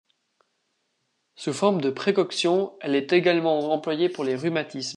Sous forme de précoction, elle est également employée pour les rhumatismes.